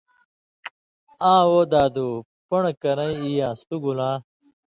”آں وو دادُو پن٘ڑہۡ کرَیں ای یان٘س، تُو گولاں“